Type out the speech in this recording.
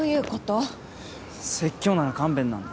はぁ説教なら勘弁なんで。